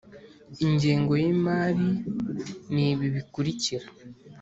ingengo y imari ni ibi bikurikira